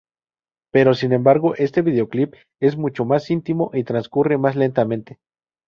Pero, sin embargo, este videoclip es mucho más íntimo y transcurre más lentamente.